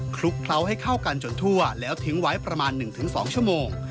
ลุกเคล้าให้เข้ากันจนทั่วแล้วทิ้งไว้ประมาณ๑๒ชั่วโมง